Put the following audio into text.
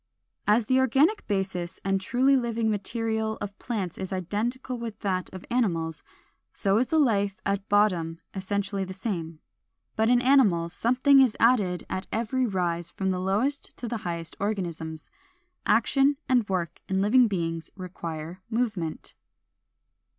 458. As the organic basis and truly living material of plants is identical with that of animals, so is the life at bottom essentially the same; but in animals something is added at every rise from the lowest to highest organisms. Action and work in living beings require movement.